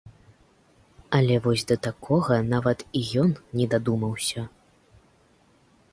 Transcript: Але вось да такога нават і ён не дадумаўся.